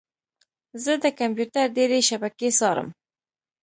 زه د کمپیوټر ډیرې شبکې څارم.